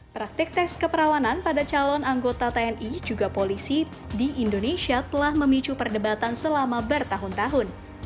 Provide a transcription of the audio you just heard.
praktik tes keperawanan pada calon anggota tni juga polisi di indonesia telah memicu perdebatan selama bertahun tahun